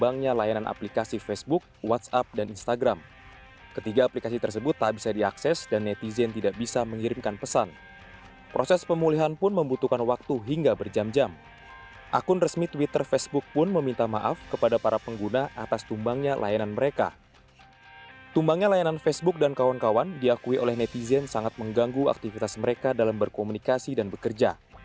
netizen sangat mengganggu aktivitas mereka dalam berkomunikasi dan bekerja